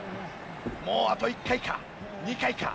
もうあと１回か２回か。